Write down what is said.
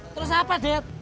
terus apa dad